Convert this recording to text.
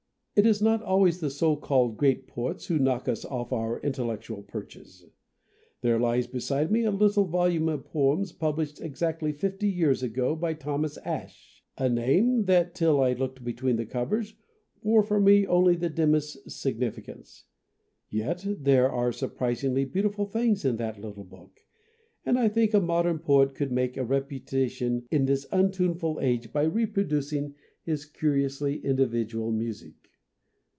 It is not always the so called great poets who knock us off our intellectual perches. There lies beside me a little volume of poems published exactly fifty years ago by Thomas Ashe, a name that, till I looked between the covers, bore for me only the dimmest significance. Yet there are surpris ingly beautiful things in that little book, and I think a modern poet could make a reputa tion in this untuneful age by reproducing his curiously individual music.